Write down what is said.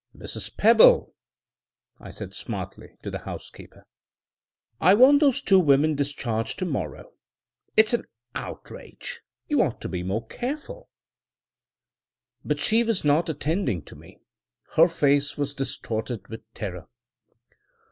"Mrs. Pebble," I said smartly, to the housekeeper, "I want those two women discharged to morrow. It's an outrage! You ought to be more careful." But she was not attending to me. Her face was distorted with terror.